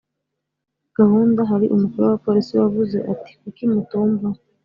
Gahunda hari umukuru w abapolisi wavuze ati kuki mutumva